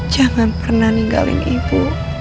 jangan pernah ninggalin ibu